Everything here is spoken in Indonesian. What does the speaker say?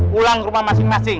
pulang ke rumah masing masing